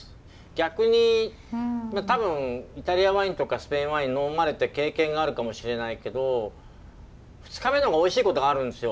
逆に多分イタリアワインとかスペインワイン呑まれて経験があるかもしれないけど２日目の方がおいしいことがあるんですよ。